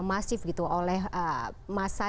masif gitu oleh masa